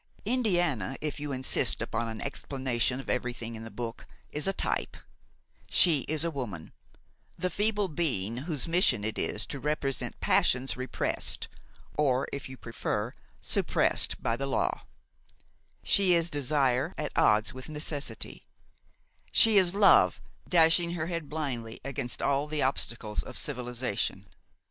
Indiana, if you insist upon an explanation of every thing in the book, is a type; she is woman, the feeble being whose mission it is to represent passions repressed, or, if you prefer, suppressed by the law; she is desire at odds with necessity; she is love dashing her head blindly against all the obstacles of civilization.